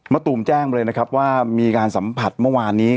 ตูมแจ้งเลยนะครับว่ามีการสัมผัสเมื่อวานนี้